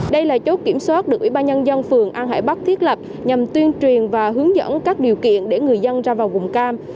đây là chốt kiểm soát được ủy ban nhân dân phường an hải bắc thiết lập nhằm tuyên truyền và hướng dẫn các điều kiện để người dân ra vào vùng cam